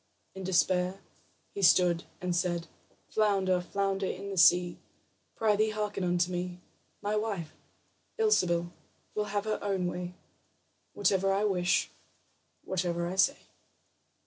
In despair, he stood and said: "Flounder, flounder in the sea, Prythee, hearken unto me: My wife, Ilsebil, will have her own way Whatever I wish, whatever I say."